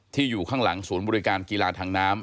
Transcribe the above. อยู่ข้างหลังศูนย์บริการกีฬาทางน้ำ